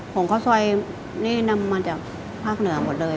งข้าวซอยนี่นำมาจากภาคเหนือหมดเลย